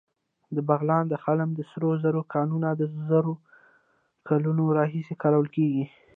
د بغلان د خلم د سرو زرو کانونه د زرو کلونو راهیسې کارول کېږي